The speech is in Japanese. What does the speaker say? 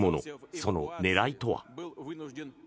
その狙いとは。